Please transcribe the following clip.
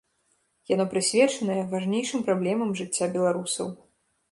Яно прысвечанае важнейшым праблемам жыцця беларусаў.